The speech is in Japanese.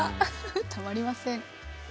たまりません。